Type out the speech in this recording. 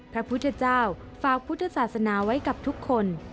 พระพุทธเจ้าฝากพุทธศาสนาไว้กับทุกคน